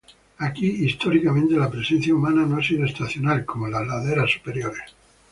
Aquí, históricamente, la presencia humana no ha sido estacional como en las laderas superiores.